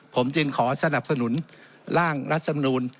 ผมอาการสนับสนุนรั่งรัฐสำรวง